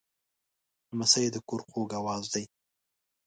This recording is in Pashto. لمسی د کور خوږ آواز دی.